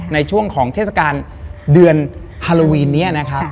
ในช่วงของเทศกาลเดือนฮาโลวีนนี้นะครับ